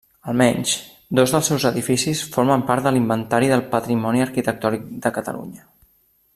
Almenys dos dels seus edificis formen part de l'Inventari del Patrimoni Arquitectònic de Catalunya.